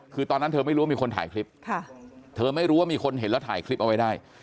คือตอนนั้นเธอไม่รู้ว่ามีคนถ่ายคลิปเธอไม่รู้ว่ามีคนเห็นแล้วถ่ายคลิปเอาไว้ได้